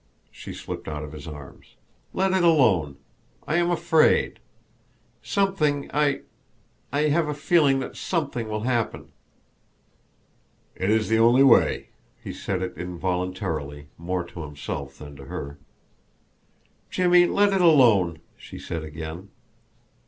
She slipped out of his arms. "Let it alone! I am afraid. Something I I have a feeling that something will happen." "It is the only way." He said it involuntarily, more to himself than to her. "Jimmie, let it alone!" she said again.